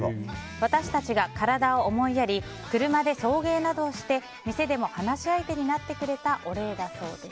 私たちが体を思いやり車で送迎などして店でも話し相手になってくれたお礼だそうです。